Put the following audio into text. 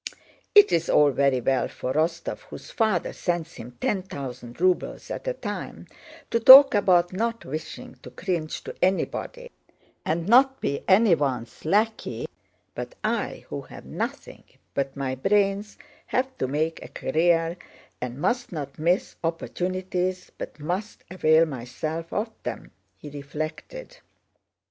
"It is all very well for Rostóv, whose father sends him ten thousand rubles at a time, to talk about not wishing to cringe to anybody and not be anyone's lackey, but I who have nothing but my brains have to make a career and must not miss opportunities, but must avail myself of them!" he reflected.